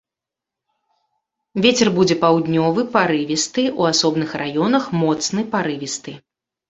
Вецер будзе паўднёвы парывісты, у асобных раёнах моцны парывісты.